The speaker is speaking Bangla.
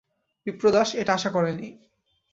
বিপ্রদাস এটা আশা করে নি।